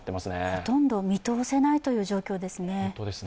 ほとんど見通せないという状況ですね。